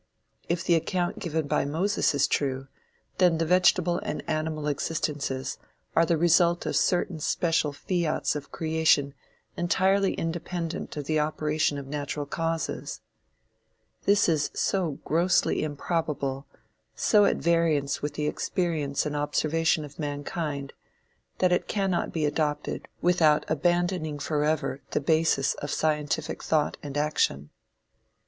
If the account given by Moses is true, then the vegetable and animal existences are the result of certain special fiats of creation entirely independent of the operation of natural causes. This is so grossly improbable, so at variance with the experience and observation of mankind, that it cannot be adopted without abandoning forever the basis of scientific thought and action.